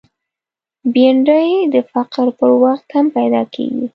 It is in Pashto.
بېنډۍ د فقر پر وخت هم پیدا کېږي